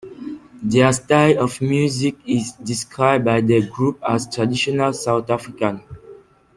Their style of music is described by the group as traditional South African.